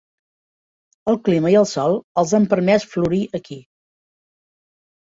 El clima i el sòl els han permès florir aquí.